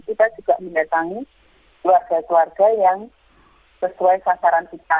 kita juga mendatangi warga warga yang sesuai sasaran kita